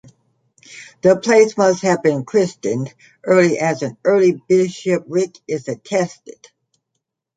The place must have Christianised early as an early bishopric is attested.